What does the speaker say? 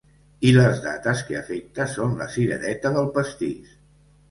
I les dates que afecta són la cirereta del pastís.